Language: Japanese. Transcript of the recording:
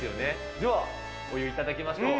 では、お湯いただきましょうか。